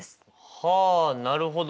はあなるほど。